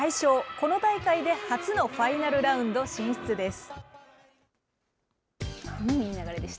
この大会で初のファイナルラウンド進出です。